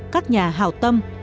các nhà hậu tâm